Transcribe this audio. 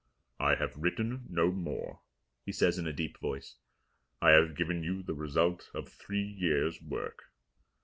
"I have written no more," he says in a deep voice. "I have given you the result of three years' work.